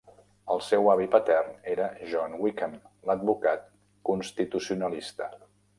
El seu avi patern era John Wickham, l'advocat constitucionalista.